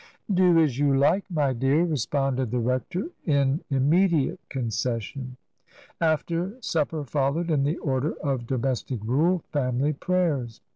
Do as you like, my dear," responded the rector in immediate concession. After supper followed, in the order of domestic rule, family prayers.